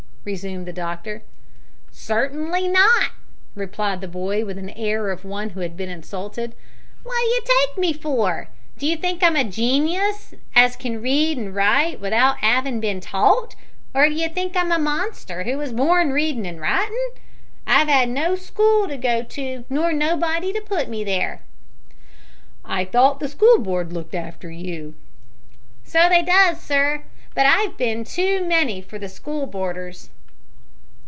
resumed the doctor. "Cern'ly not," replied the boy, with the air of one who had been insulted; "wot d'you take me for? D'you think I'm a genius as can read an' write without 'avin' bin taught or d'you think I'm a monster as wos born readin' an' writin'? I've 'ad no school to go to nor nobody to putt me there." "I thought the School Board looked after such as you." "So they does, sir; but I've been too many for the school boarders."